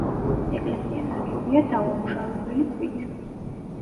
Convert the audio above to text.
ეკლესია ნაგებია დაუმუშავებელი ქვით.